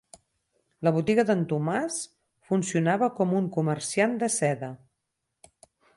La botiga d'en Tomàs funcionava com un comerciant de seda.